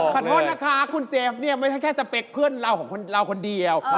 ขอโทษนะคะคุณเซฟไม่แค่สเปกเพื่อนเราคนเดียว